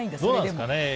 どうなんですかね